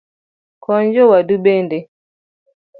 Kony jowadu bende